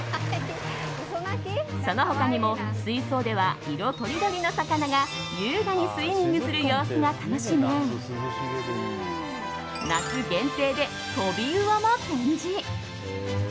その他にも水槽では色とりどりの魚が優雅にスイミングする様子が楽しめ夏限定でトビウオも展示。